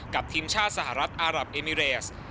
ทีมชาติสหรัฐอารับเอมิเรส